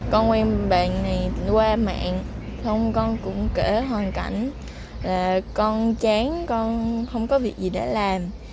con em bạn này qua mạng xong con cũng kể hoàn cảnh là con chán con không có việc gì để làm